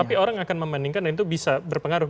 tapi orang akan membandingkan dan itu bisa berpengaruh